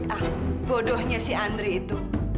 ah bodohnya si andri itu